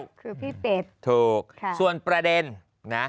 คือพี่เป็ดถูกค่ะส่วนประเด็นนะ